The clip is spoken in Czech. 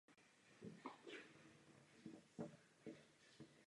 Nadále podporujeme vládu v otevírání se demokracii, které zahájila.